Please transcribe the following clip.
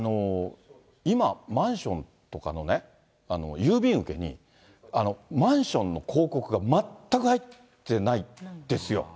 今、マンションとかのね、郵便受けに、マンションの広告が全く入ってないですよ。